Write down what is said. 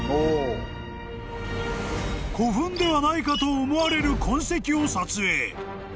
［古墳ではないかと思われる痕跡を撮影］